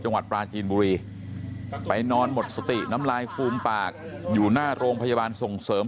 จังหวัดปลาจีนบุรีไปนอนหมดสติน้ำลายฟูมปากอยู่หน้าโรงพยาบาลส่งเสริม